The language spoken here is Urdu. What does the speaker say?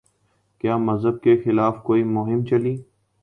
کیا مذہب کے خلاف کوئی مہم چلی؟